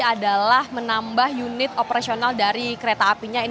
adalah menambah unit operasional dari kereta apinya